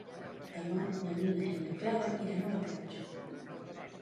Demà na Nina i na Clara iran a la platja.